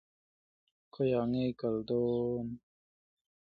They first met when Robitaille was a guest dance partner of Cassone's mother.